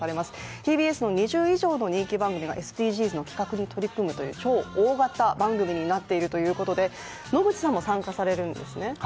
ＴＢＳの２０以上の人気番組がＳＤＧｓ企画に取り組むという超大型番組になっているということで、野口さんも参加されるんですね。